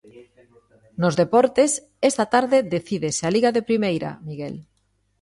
Nos deportes, esta tarde decídese a Liga de primeira, Miguel.